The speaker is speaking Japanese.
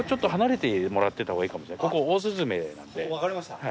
分かりました。